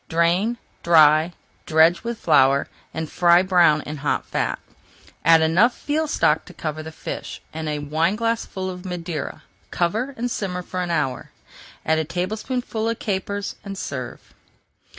Drain, dry, dredge with flour, and fry brown in hot fat. Add enough veal stock to cover the fish, and a wineglassful of Madeira; cover and simmer for an hour. Add a tablespoonful of capers and serve.